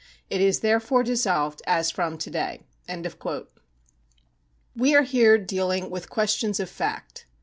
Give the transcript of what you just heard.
It is therefore dissolved as from to day." w E are here dealing with questions of fact.